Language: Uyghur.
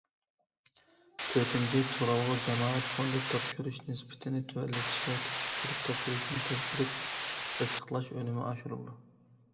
تۆتىنچى، تۇرالغۇ جامائەت فوندى تاپشۇرۇش نىسبىتىنى تۆۋەنلىتىش ۋە كېچىكتۈرۈپ تاپشۇرۇشنىڭ تەكشۈرۈپ تەستىقلاش ئۈنۈمى ئاشۇرۇلىدۇ.